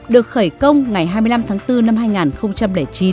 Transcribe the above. được khởi công ngày hai mươi năm tháng bốn năm hai nghìn chín